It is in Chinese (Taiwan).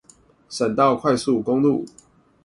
省道快速公路